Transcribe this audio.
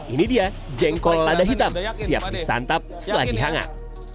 ini dia jengkol lada hitam siap disantap selagi hangat